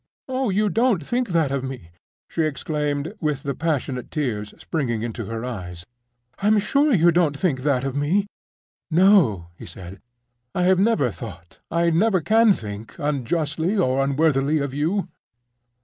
Oh, you don't think that of me!" she exclaimed, with the passionate tears springing into her eyes—"I'm sure you don't think that of me!" "No," he said; "I never have thought, I never can think, unjustly or unworthily of you."